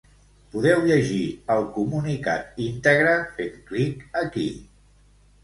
Podeu llegir el comunicat íntegre, fent clic aquí.